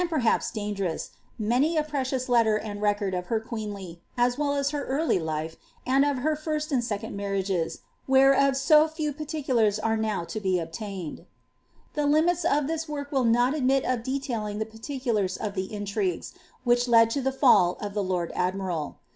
(Mf I, and peiiiaps dangerous, many a preciona letter and record of jeenly, as well as of her early life, and of her first and second ges, whereof so few particulars are now to be obtained.' I limits of this work will not admit of detailing the particulars of Liigues which led to the fall of the lord admiral.